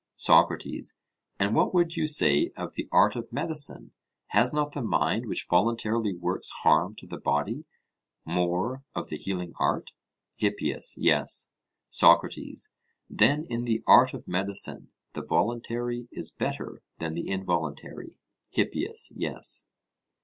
SOCRATES: And what would you say of the art of medicine; has not the mind which voluntarily works harm to the body, more of the healing art? HIPPIAS: Yes. SOCRATES: Then in the art of medicine the voluntary is better than the involuntary? HIPPIAS: Yes.